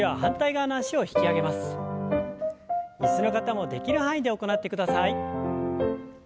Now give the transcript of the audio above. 椅子の方もできる範囲で行ってください。